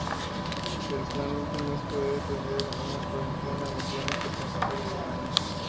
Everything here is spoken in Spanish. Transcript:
El plan último es poder atender a cuarenta millones de pasajeros al año.